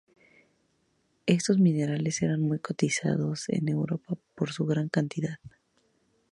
Estos minerales eran muy cotizados en Europa por su gran calidad.